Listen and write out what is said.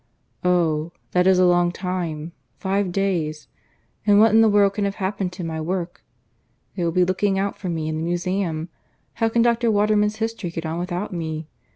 ... Oh! that is a long time. Five days! And what in the world can have happened to my work? They will be looking out for me in the Museum. How can Dr. Waterman's history get on without me?